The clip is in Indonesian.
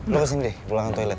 lo kesini deh pulangan toilet